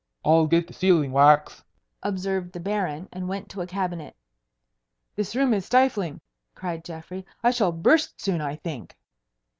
"I'll get the sealing wax," observed the Baron, and went to a cabinet. "This room is stifling," cried Geoffrey. "I shall burst soon, I think."